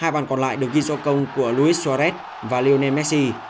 hai bàn còn lại được ghi do công của luis suarez và lionel messi